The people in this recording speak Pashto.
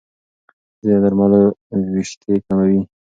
ځینې درملو وېښتې کموي.